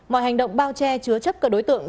mọi hành động bao che chứa chấp các đối tượng